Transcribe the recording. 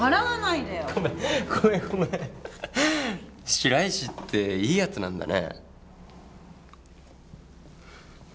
白石っていいやつなんだね。